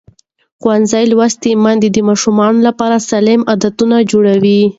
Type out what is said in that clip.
ښوونځې لوستې میندې د ماشومانو لپاره سالم عادتونه جوړوي.